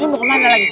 dia mau ke mana lagi